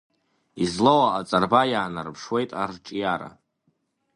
Излоу аҟаҵарба иаанарԥшуеит арҿиара…